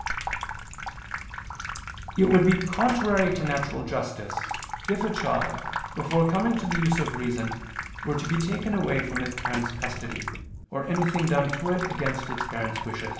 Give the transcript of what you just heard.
Hence it would be contrary to natural justice, if a child, before coming to the use of reason, were to be taken away from its parents' custody, or anything done to it against its parents' wish.